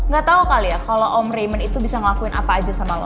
gak tau kali ya kalau om rayment itu bisa ngelakuin apa aja sama lo